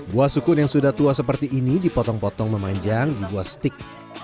buah sukun yang sudah tua seperti ini dipotong potong memanjang dibuat stik